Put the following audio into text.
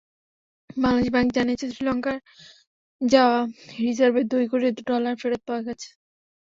Bangladesh bank জানিয়েছে, শ্রীলঙ্কায় যাওয়া রিজার্ভের দুই কোটি ডলার ফেরত পাওয়া গেছে।